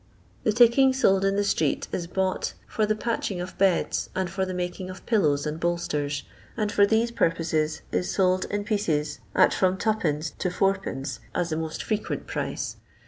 The ticking sold in the street is bought for the patching of beds and for the making of pillows and bolsters, and for these purposes is sold in pieces at from 2d, to id. as the most frequent price.